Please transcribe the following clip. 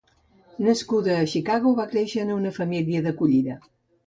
Nascuda a Chicago, va créixer en una família d'acollida.